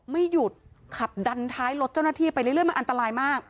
ไม่หยุดขับดันท้ายรถเจ้าหน้าที่ไปเรื่อยมันอันตรายมาก